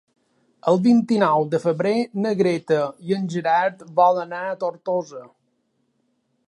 El vint-i-nou de febrer na Greta i en Gerard volen anar a Tortosa.